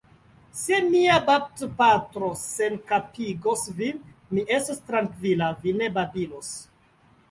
Se mia baptopatro senkapigos vin, mi estos trankvila, vi ne babilos.